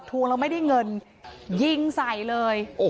พอทวงแล้วไม่ได้เงินยิงใส่เลยโอ้โห